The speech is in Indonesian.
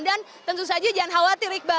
dan tentu saja jangan khawatir iqbal